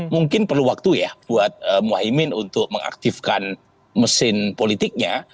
mungkin perlu waktu ya buat mohaimin untuk mengaktifkan mesin politiknya